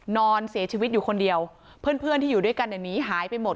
นอนเสียชีวิตอยู่คนเดียวเพื่อนเพื่อนที่อยู่ด้วยกันอย่างนี้หายไปหมด